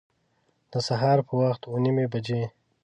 د سهار په وخت اوه نیمي بجي